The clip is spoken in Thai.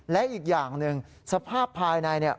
และอีกอย่างหนึ่งสภาพภายในเนี่ย